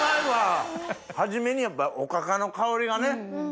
はじめにやっぱりおかかの香りがね。